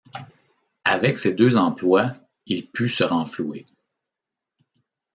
Avec ces deux emplois, il put se renflouer.